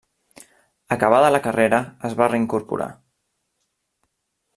Acabada la carrera es va reincorporar.